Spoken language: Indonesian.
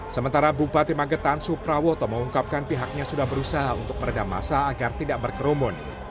sementara bupati magetan suprawoto mengungkapkan pihaknya sudah berusaha untuk meredam masa agar tidak berkerumun